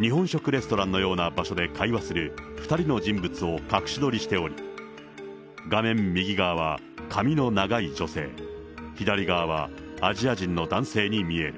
日本食レストランのような場所で会話する２人の人物を隠し撮りしており、画面右側は髪の長い女性、左側はアジア人の男性に見える。